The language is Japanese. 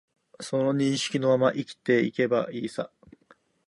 その認識のまま生きていけばいいさ